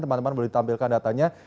teman teman boleh ditampilkan datanya